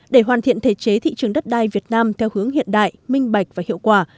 để hoàn thiện thể chế thị trường đất đai việt nam theo hướng hiện đại minh bạch và hiệu quả